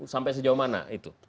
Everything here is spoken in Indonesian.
sampai sejauh mana itu